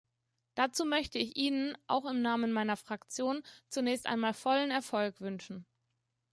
Dazu möchte ich Ihnen, auch im Namen meiner Fraktion, zunächst einmal vollen Erfolg wünschen.